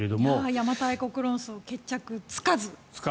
邪馬台国論争決着つかず。